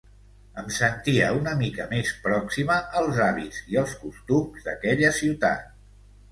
Em sentia una mica més pròxima als hàbits i els costums d’aquella ciutat.